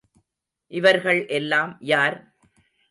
இவர்கள் எல்லாம் யார்?